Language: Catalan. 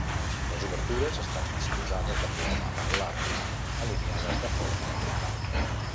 Les obertures estan disposades de forma regular, alineades de forma vertical.